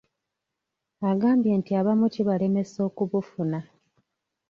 Agambye nti abamu kibalemesa okubufuna.